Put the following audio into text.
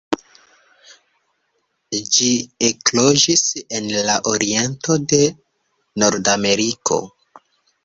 Ĝi ekloĝis en la oriento de Nordameriko.